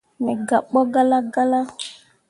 Me gabɓo galla galla.